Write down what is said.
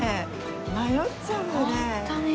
迷っちゃうよね。